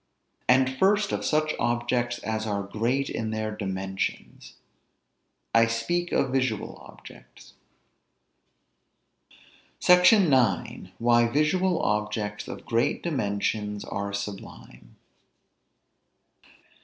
And first of such objects as are great in their dimensions. I speak of visual objects. SECTION IX. WHY VISUAL OBJECTS OF GREAT DIMENSIONS ARE SUBLIME.